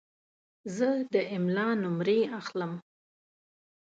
زه د املا نمرې اخلم.